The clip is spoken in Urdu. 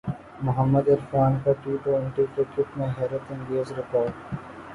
محمد عرفان کا ٹی ٹوئنٹی کرکٹ میں حیرت انگیز ریکارڈ